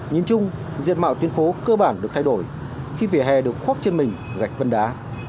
nhìn chung diện mạo tuyến phố cơ bản được thay đổi khi vỉa hè được khoác trên mình gạch vân đá